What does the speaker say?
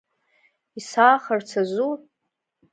Исаахарц азу?!